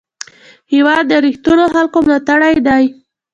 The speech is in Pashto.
هېواد د رښتینو خلکو ملاتړی دی.